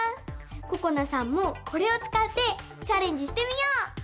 ここなさんもこれをつかってチャレンジしてみよう！